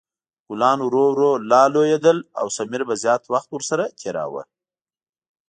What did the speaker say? ګلان ورو ورو لا لویدل او سمیر به زیات وخت ورسره تېراوه.